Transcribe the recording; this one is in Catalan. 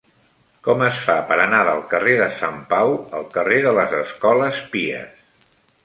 Com es fa per anar del carrer de Sant Pau al carrer de les Escoles Pies?